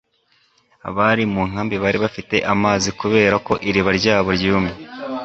Abari mu nkambi bari bafite amazi kubera ko iriba ryabo ryumye